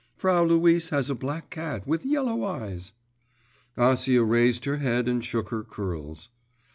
Frau Luise has a black cat with yellow eyes.…' Acia raised her head and shook her curls.